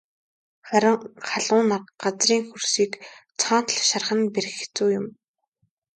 Харин халуун нар газрын хөрсийг цоонотол шарах нь бэрх хэцүү юм.